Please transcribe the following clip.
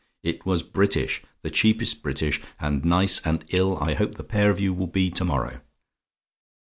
It was British the cheapest British and nice and ill I hope the pair of you will be to morrow.